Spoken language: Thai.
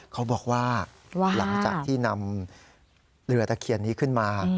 เขาบอกว่าหลังจากที่นำเรือตะเคียนนี้ขึ้นมา